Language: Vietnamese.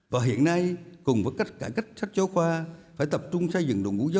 và hiện nay cùng với cách cải cách sách châu khoa phải tập trung xây dựng động vũ giáo viên